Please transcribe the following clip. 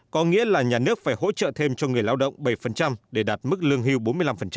có nghĩa là nhà nước phải hỗ trợ thêm cho người lao động bảy để đạt mức lương hưu bốn mươi năm